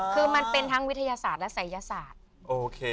คือมันเป็นทั้งวิทยาศาสตร์และศัยศาสตร์โอเค